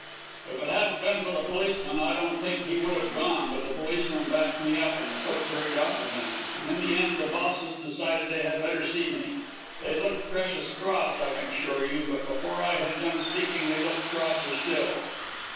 "If it hadn't been for the policeman I don't think he would have gone, but the policeman backed me up, and the clerk hurried off again; and in the end the bosses decided they had better see me. They looked precious cross, I can assure you, but before I had done speaking they looked crosser still.